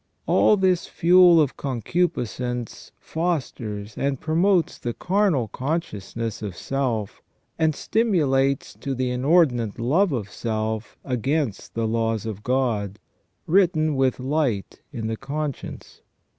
All this fuel of concupiscence fosters and promotes the carnal consciousness of self, and stimulates to the inordinate love of self against the laws of God, written with light in the conscience.